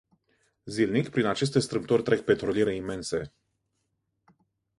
Zilnic prin aceste strâmtori trec petroliere imense.